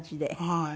はい。